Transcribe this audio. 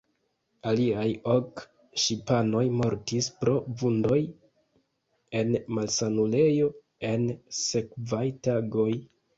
Aliaj ok ŝipanoj mortis pro vundoj en malsanulejo en sekvaj tagoj.